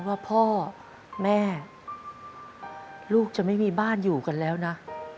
ว่าพ่อแม่ลูกจะไม่มีบ้านอยู่กันแล้วนะ